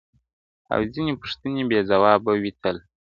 او ځينې پوښتني بې ځوابه وي تل,